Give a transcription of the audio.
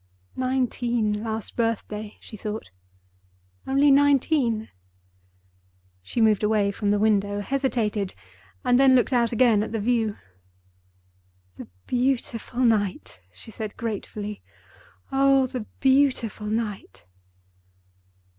"Nineteen last birthday," she thought. "Only nineteen!" She moved away from the window, hesitated, and then looked out again at the view. "The beautiful night!" she said, gratefully. "Oh, the beautiful night!"